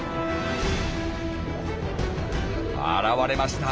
現れました。